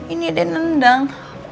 ini ada nendang